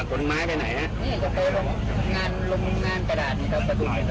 นี่จะไปลงงานกระดาษนี่ครับประทุม